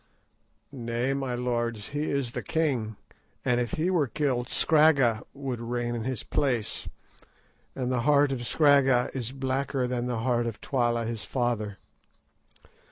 "Nay, my lords, he is the king, and if he were killed Scragga would reign in his place, and the heart of Scragga is blacker than the heart of Twala his father.